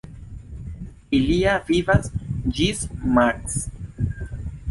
Ilia vivas ĝis maks.